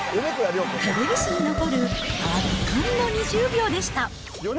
テレビ史に残る、圧巻の２０秒でした。